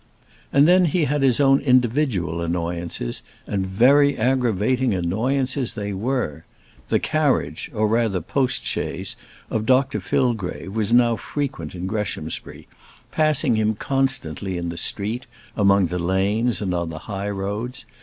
And then he had his own individual annoyances, and very aggravating annoyances they were. The carriage or rather post chaise of Dr Fillgrave was now frequent in Greshamsbury, passing him constantly in the street, among the lanes, and on the high roads.